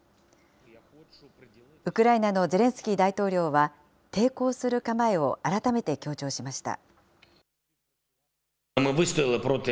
ウクライナのゼレンスキー大統領は、抵抗する構えを改めて強調しました。